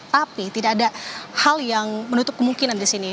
tapi tidak ada hal yang menutup kemungkinan di sini